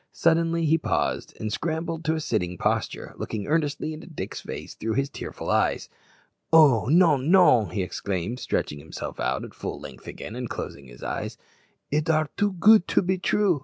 Suddenly he paused, and scrambling up to a sitting posture, looked earnestly into Dick's face through his tearful eyes. "Oh, non, non!" he exclaimed, stretching himself out at full length again, and closing his eyes; "it are too goot to be true.